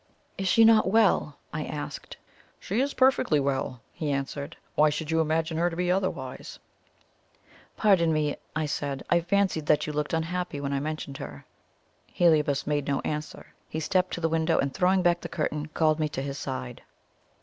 "Is she not well?" I asked. "She is perfectly well," he answered. "Why should you imagine her to be otherwise?" "Pardon me," I said; "I fancied that you looked unhappy when I mentioned her." Heliobas made no answer. He stepped to the window, and throwing back the curtain, called me to his side.